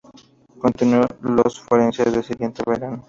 Continuó las conferencias el siguiente verano.